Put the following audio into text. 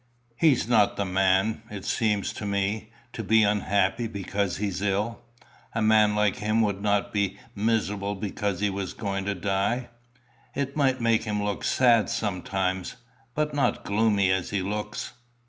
He's not the man, it seems to me, to be unhappy because he's ill. A man like him would not be miserable because he was going to die. It might make him look sad sometimes, but not gloomy as he looks."